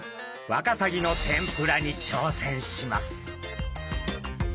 ワカサギの天ぷらに挑戦します。